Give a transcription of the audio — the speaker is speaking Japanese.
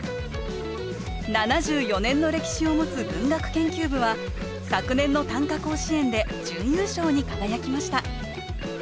７４年の歴史を持つ文学研究部は昨年の短歌甲子園で準優勝に輝きました。